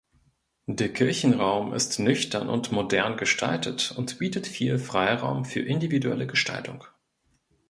Der Kirchenraum ist nüchtern und modern gestaltet und bietet viel Freiraum für individuelle Gestaltung.